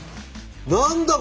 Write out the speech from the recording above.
何だ？